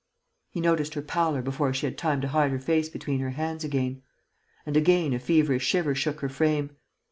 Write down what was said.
He noticed her pallor before she had time to hide her face between her hands again. And again a feverish shiver shook her frame.